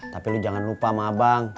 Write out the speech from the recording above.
tapi lu jangan lupa sama abang